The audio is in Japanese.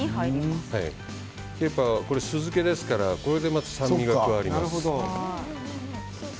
ケイパーは酢漬けですからまずこれで酸味が加わります。